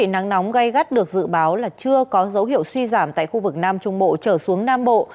nắng nóng gây gắt được dự báo là chưa có dấu hiệu suy giảm tại khu vực nam trung bộ trở xuống nam bộ